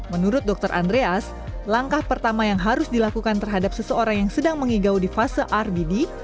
menurut dokter andreas langkah pertama yang harus dilakukan terhadap seseorang yang sedang mengigau di fase rbd